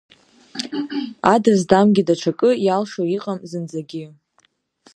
Адам здамгьы даҽакы, иалшо иҟам зынӡагьы.